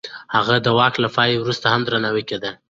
هغه د واک له پای وروسته هم درناوی کېده.